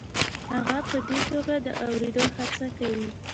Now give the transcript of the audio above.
هغه په دې توګه د اورېدو هڅه کوي.